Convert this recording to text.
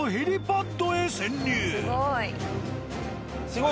すごい。